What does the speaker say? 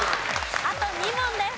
あと２問です。